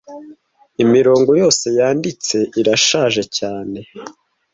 imirongo yose yanditse irashaje cyane